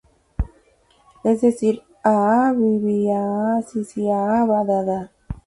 Es decir, aa-bbba, aa-ccca, aa-ddda.